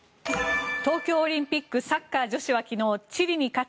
東京オリンピックサッカー女子は昨日、チリに勝ち